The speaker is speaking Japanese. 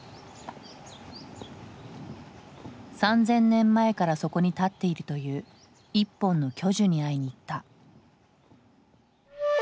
３，０００年前からそこに立っているという１本の巨樹に会いに行った。